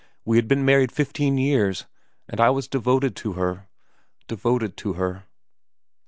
We had been married fifteen years, and I was devoted to her devoted to her.'